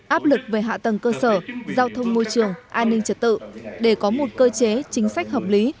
áp lực về hạ tầng cơ sở giao thông môi trường an ninh trật tự để có một cơ chế chính sách hợp lý